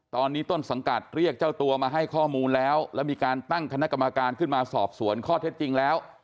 ตอนนี้ต้นสังกัดเรียกเจ้าตัวมาให้ข้อมูลแล้วแล้วมีการตั้งคณะกรรมการขึ้นมาสอบสวนข้อเท็จจริงแล้ว